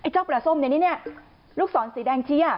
เจ้าปลาส้มนี่ลูกศรสีแดงเชีย